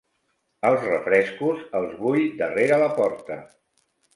Els refrescos, els vull darrere la porta.